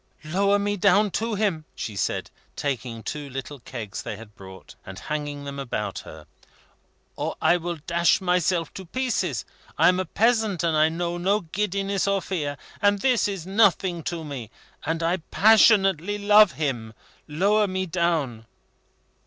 "Lower me down to him," she said, taking two little kegs they had brought, and hanging them about her, "or I will dash myself to pieces! I am a peasant, and I know no giddiness or fear; and this is nothing to me, and I passionately love him. Lower me down!"